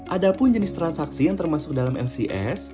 ada pun jenis transaksi yang termasuk dalam lcs